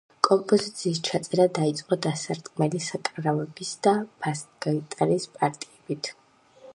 კომპოზიის ჩაწერა დაიწყო დასარტყმელი საკრავების და ბას-გიტარის პარტიებით.